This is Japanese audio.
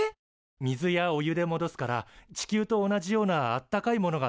水やお湯でもどすから地球と同じようなあったかいものが食べられるらしいよ。